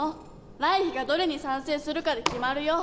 来緋がどれに賛成するかで決まるよ！